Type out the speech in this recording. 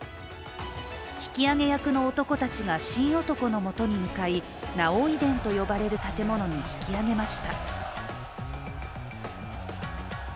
引き上げ役の男たちが神男の元に向かい儺追殿と呼ばれる建物に引き上げました。